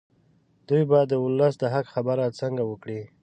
دوی به د ولس د حق خبره څنګه وکړي.